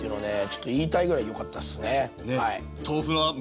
ちょっと言いたいぐらいよかったっすねはい。